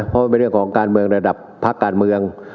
เพราะมันเป็นเรื่องของการเมืองระดับพักการเมือง